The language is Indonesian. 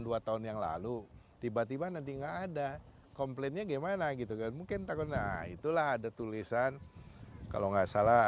dua tahun yang lalu tiba tiba nanti enggak ada komplainnya gimana gitu kan mungkin takut nah